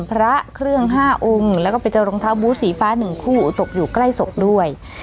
พระเครื่องห้าอุงแล้วก็ไปเจอรองเท้าบู๊ตสีฟ้าหนึ่งคู่ตกอยู่ใกล้ศักดิ์ด้วย